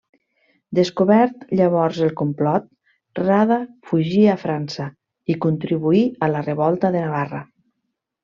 Descobert llavors el complot, Rada fugí a França i contribuí a la revolta de Navarra.